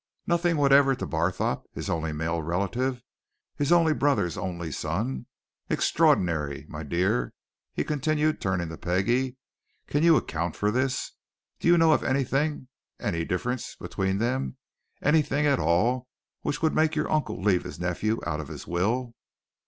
Nothing whatever to Barthorpe his only male relative his only brother's only son. Extraordinary! My dear," he continued, turning to Peggie, "can you account for this? Do you know of anything, any difference between them, anything at all which would make your uncle leave his nephew out of his will?"